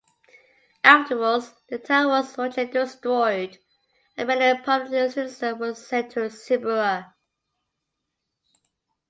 Afterwards the town was utterly destroyed and many prominent citizens were sent to Siberia.